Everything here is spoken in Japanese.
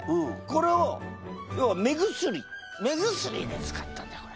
これを要は目薬目薬に使ったんだよこれ。